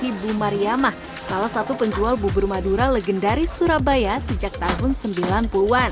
iendo ny envolver mariama salah satu penjual bubur madura legendaris surabaya sejak tahun sembilan puluh an